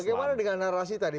bagaimana dengan narasi tadi